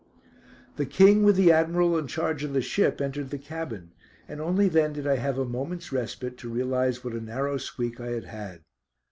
The King with the Admiral in charge of the ship, entered the cabin, and only then did I have a moment's respite to realise what a narrow squeak I had had.